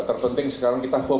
terpenting sekarang kita fokus